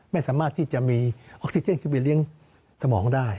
ไม่สามารถที่จะมีออกซิเจนขึ้นไปเลี้ยงสมองได้